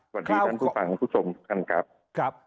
สวัสดีท่านผู้ฟังผู้ชมทุกท่านครับ